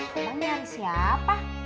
bang yang siapa